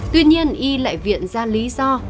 tuy nhiên y lại viện ra lý do